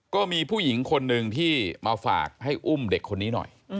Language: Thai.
ก็มีผู้หญิงคนหนึ่งที่มาฝากให้อุ้มเด็กคนนี้หน่อย